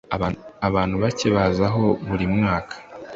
abantu bake baza hano buri mwaka